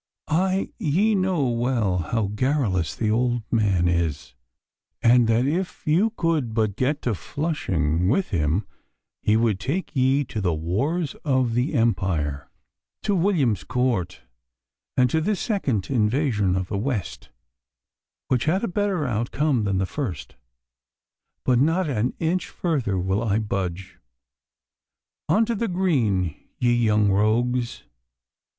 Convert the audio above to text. Ah! ye know well how garrulous the old man is, and that if you could but get to Flushing with him he would take ye to the wars of the Empire, to William's Court, and to the second invasion of the West, which had a better outcome than the first. But not an inch further will I budge. On to the green, ye young rogues!